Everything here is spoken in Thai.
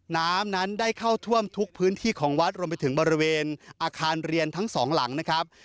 น้ำนั้นได้เข้าท่วมทุกพื้นที่ของวัดรวมไปถึงบริเวณอาคารเรียนทั้งสองหลังนะครับ